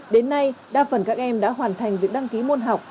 đến nay đa phần các em đã hoàn thành việc đăng ký môn học